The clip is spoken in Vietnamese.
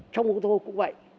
trong ô tô cũng vậy